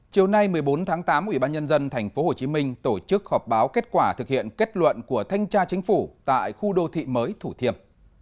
chiều nay một mươi bốn tháng tám ubnd tp hcm tổ chức họp báo kết quả thực hiện kết luận của thanh tra chính phủ tại khu đô thị mới thủ thiêm